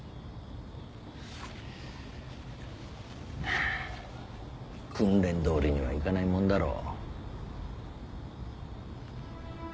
フッ。訓練どおりにはいかないもんだろ。